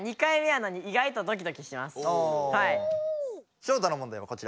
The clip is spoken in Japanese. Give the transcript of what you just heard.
ショウタの問題はこちら。